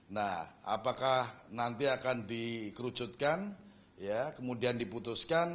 nah apakah nanti akan dikerucutkan ya kemudian diputuskan